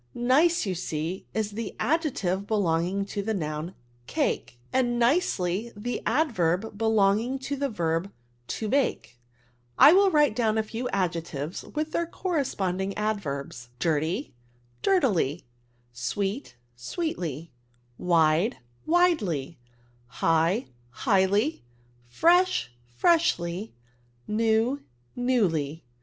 Nice^ you see, is the adjective beloi^B^g ta the noun cake, and nieehf tiie adverb belong* ing to the verb to hake. I will wsite down a few adjectives with their corresponding adverbs : Dirty^ Dirtily. Sweet, Sweetly. Wide, Widely. High, Highly. Fresh^ Freshly. New, Newly."